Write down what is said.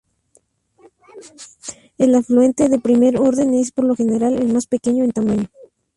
El afluente de primer orden es por lo general el más pequeño en tamaño.